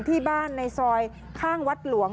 ที่บ้านในซอยข้างวัดหลวง